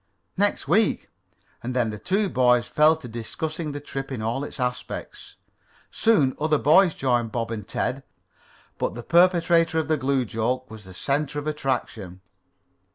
"Next week." And then the two boys fell to discussing the trip in all its aspects. Soon other boys joined Bob and Ted, but the perpetrator of the glue joke was the center of attraction.